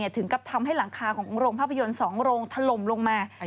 ถึงกับทำให้หลังคาของโรงภาพยนตร์๒โรงถล่มลงมา